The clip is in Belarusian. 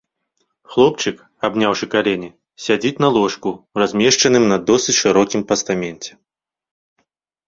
Хлопчык, абняўшы калені, сядзіць на ложку, размешчаным на досыць шырокім пастаменце.